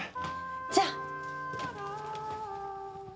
じゃあ！